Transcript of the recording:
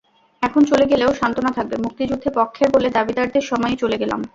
এখন চলে গেলেও সান্ত্বনা থাকবে, মুক্তিযুদ্ধে পক্ষের বলে দাবিদারদের সময়ই চলে গেলাম।